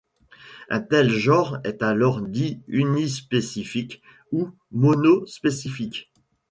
Un tel genre est alors dit unispécifique ou monospécifique.